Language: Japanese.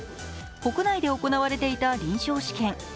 国内で行われていた臨床試験。